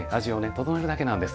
調えるだけなんです。